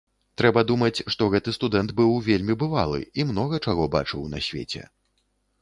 Трэба думаць, што гэты студэнт быў вельмі бывалы і многа чаго бачыў на свеце.